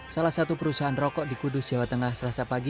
salah satu perusahaan rokok di kudus jawa tengah selasa pagi